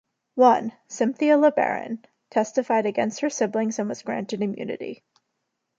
One, Cynthia LeBaron, testified against her siblings and was granted immunity.